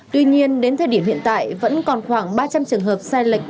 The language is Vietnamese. tuy nhiên đến thời điểm hiện tại vẫn còn khoảng ba trăm linh trường hợp sai lệch